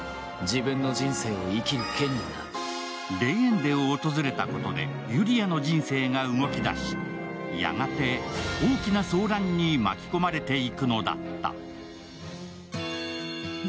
レーエンデを訪れたことでユリアの人生が動き出しやがて大きな争乱に巻き込まれていくのだった。